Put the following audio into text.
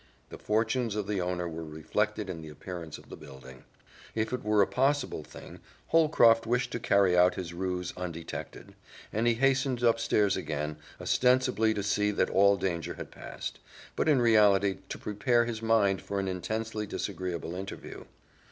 The fortunes of the owner were reflected in the appearance of the building. If it were a possible thing Holcroft wished to carry out his ruse undetected, and he hastened upstairs again, ostensibly to see that all danger had passed, but in reality to prepare his mind for an intensely disagreeable interview.